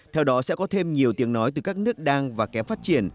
theo đó sẽ có thêm nhiều tiếng nói từ các nước đang và kém phát triển